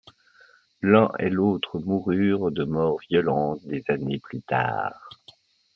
L'un et l'autre moururent de mort violente des années plus tard.